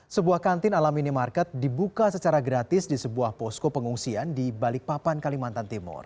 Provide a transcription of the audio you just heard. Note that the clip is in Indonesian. sebuah kantin ala minimarket dibuka secara gratis di sebuah posko pengungsian di balikpapan kalimantan timur